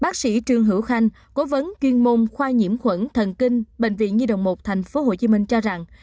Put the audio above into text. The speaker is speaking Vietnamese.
chuyên môn khoa nhiễm khuẩn thần kinh bệnh viện nhi đồng một tp hcm cho rằng